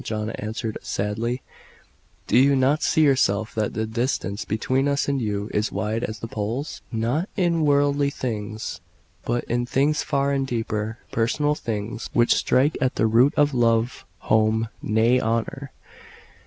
John answered sadly, "do you not see yourself that the distance between us and you is wide as the poles? Not in worldly things, but in things far deeper; personal things, which strike at the root of love, home nay, honour."